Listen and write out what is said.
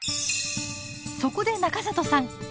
そこで中里さん